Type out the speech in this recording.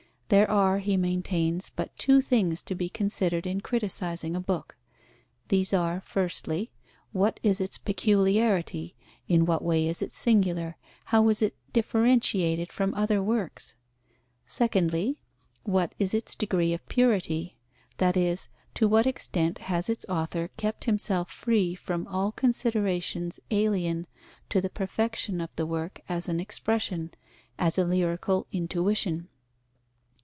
There are, he maintains, but two things to be considered in criticizing a book. These are, firstly, what is its peculiarity, in what way is it singular, how is it differentiated from other works? Secondly, what is its degree of purity? That is, to what extent has its author kept himself free from all considerations alien to the perfection of the work as an expression, as a lyrical intuition?